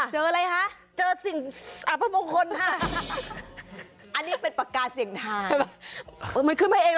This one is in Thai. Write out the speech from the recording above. ใช่อันนั้นสำคัญ